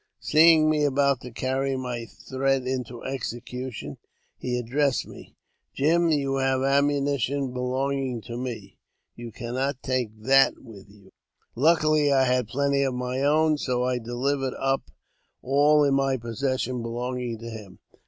Seeing me about to carry my threat into execution, he ad 60 AUTOBIOGRAPHY OF dressed me :" Jim, you have ammunition belonging to me ; you can not take that with you." Luckily, I had plenty of my own, so I delivered up all in my possession belonging to him.